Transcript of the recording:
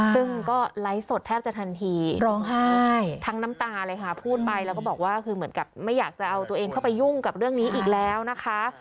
ซึ่งก็ไลฟ์สดแทบจะทันทีร้องไห้ทั้งน้ำตาเลยค่ะพูดไปแล้วก็บอกว่าคือเหมือนกับไม่อยากจะเอาตัวเองเข้าไปยุ่งกับเรื่องนี้อีกแล้วนะคะ